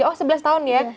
oh sebelas tahun ya